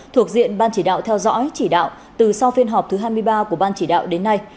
thuộc diện ban chỉ đạo theo dõi chỉ đạo từ sau phiên họp thứ hai mươi ba của ban chỉ đạo đến nay